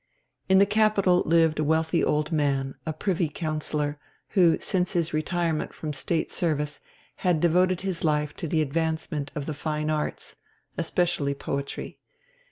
In the capital lived a wealthy old man, a Privy Councillor, who, since his retirement from the State Service, had devoted his life to the advancement of the fine arts, especially poetry.